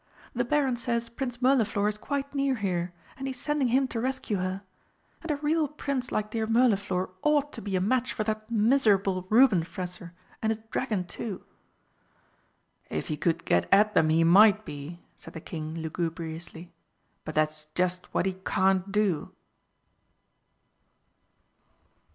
The Baron says Prince Mirliflor is quite near here and he's sending him to rescue her. And a real prince like dear Mirliflor ought to be a match for that miserable Rubenfresser and his dragon too!" "If he could get at them he might be," said the King lugubriously; "but that's just what he can't do!"